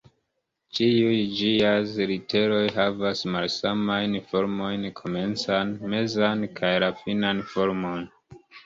Ĉiuj ĝiaj literoj havas malsamajn formojn, komencan, mezan, kaj la finan formon.